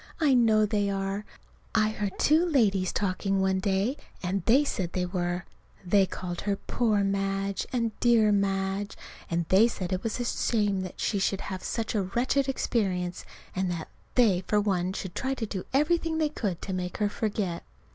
I know they are. I heard two ladies talking one day, and they said they were. They called her "Poor Madge," and "Dear Madge," and they said it was a shame that she should have had such a wretched experience, and that they for one should try to do everything they could to make her forget.